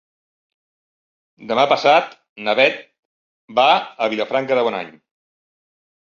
Demà passat na Beth va a Vilafranca de Bonany.